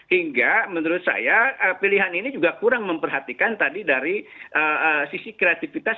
hingga menurut saya pilihan ini juga kurang memperhatikan tadi dari sisi kreativitas